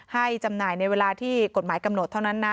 จำหน่ายในเวลาที่กฎหมายกำหนดเท่านั้นนะ